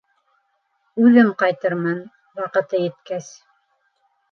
Үҙем ҡайтырмын... ваҡыты еткәс.